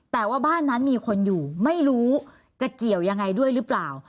แต่ว่าบ้านนั้นมีคนอยู่ไม่รู้จะเกี่ยวยังไงด้วยหรือเปล่า